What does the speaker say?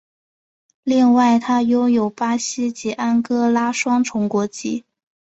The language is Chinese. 另外他拥有巴西及安哥拉双重国籍。